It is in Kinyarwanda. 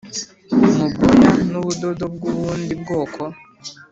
mu bwoya n ubudodo bw ubundi bwoko